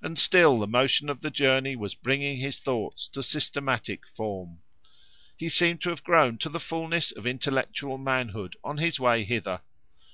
And still the motion of the journey was bringing his thoughts to systematic form. He seemed to have grown to the fulness of intellectual manhood, on his way hither.